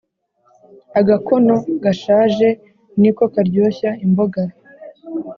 Agakono gashaje niko karyoshya imboga..